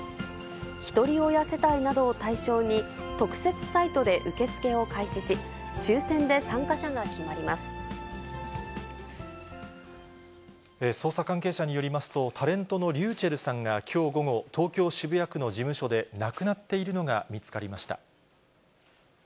ひとり親世帯などを対象に、特設サイトで受け付けを開始し、捜査関係者によりますと、タレントのｒｙｕｃｈｅｌｌさんが、きょう午後、東京・渋谷区の事務所で亡くなっているのが見つかりました。